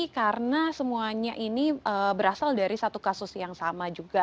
karena semuanya ini berasal dari satu kasus yang sama